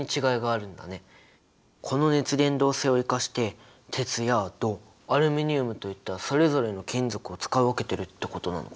この熱伝導性を生かして鉄や銅アルミニウムといったそれぞれの金属を使い分けてるってことなのかな？